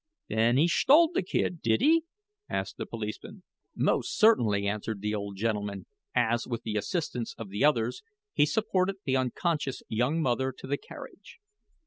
"Then he shtole the kid, did he?" asked the policeman. "Most certainly," answered the old gentleman, as, with the assistance of the others, he supported the unconscious young mother to a carriage.